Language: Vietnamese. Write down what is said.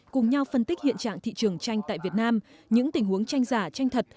cùng nhau phân tích hiện trạng thị trường tranh tại việt nam những tình huống tranh giả tranh thật